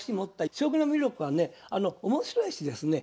将棋の魅力はね面白いしですね